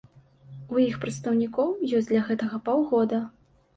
У іх прадстаўнікоў ёсць для гэтага паўгода.